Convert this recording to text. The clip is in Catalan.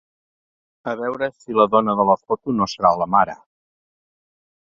A veure si la dona de la foto no serà la mare.